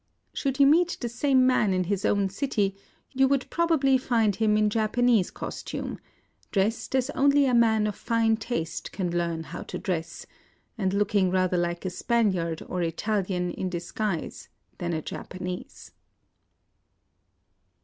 Should you meet the same man in his own city, you would probably find him in Japanese costume, — dressed as only a man of fine taste can learn how to dress, and look ing rather like a Spaniard or Italian in dis guise than a Japanese.